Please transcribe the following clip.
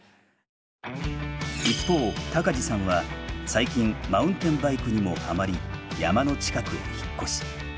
一方タカジさんは最近マウンテンバイクにもハマり山の近くへ引っ越し。